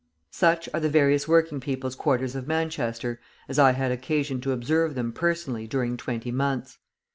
Such are the various working people's quarters of Manchester as I had occasion to observe them personally during twenty months.